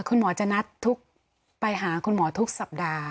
คุณหมอจะนัดไปหาคุณหมอทุกสัปดาห์